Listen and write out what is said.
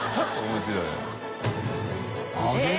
面白いね。